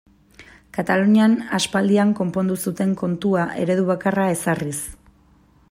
Katalunian aspaldian konpondu zuten kontua eredu bakarra ezarriz.